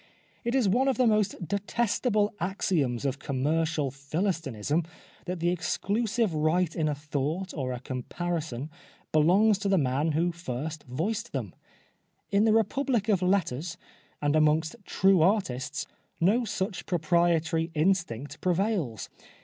It is one of i86 The Life of Oscar Wilde the most detestable axioms of commercial Philis tinism that the exclusive right in a thought or a comparison belongs to the man who first voiced them. In the Republic of Letters and amongst true artists no such proprietary instinct prevails.